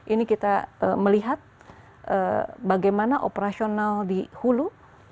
ini kita melihat bagaimana operasional di hulu